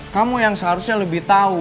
kamu yang seharusnya lebih tahu